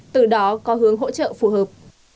từ đó có hướng hỗ trợ phù hợp